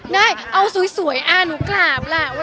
ได้เอาสุดสวยอ้าวหนูกราบล่ะ